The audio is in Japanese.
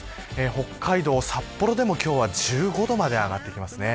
北海道、札幌でも今日は１５度まで上がってきます。